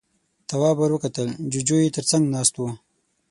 تواب ور وکتل، جُوجُو يې تر څنګ ناست و.